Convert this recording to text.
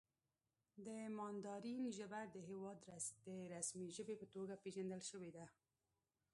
د ماندارین ژبه د هېواد د رسمي ژبې په توګه پېژندل شوې ده.